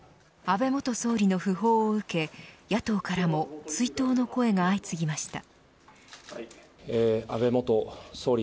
安倍元総理の訃報を受け野党からも追悼の声が相次ぎました。